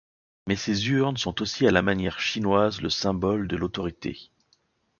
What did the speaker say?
Mais ces urnes sont aussi à la manière chinoise le symbole de l'autorité.